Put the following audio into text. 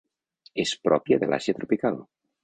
És pròpia de l'Àsia tropical.